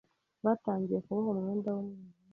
Batangiye kuboha umwenda wumwijima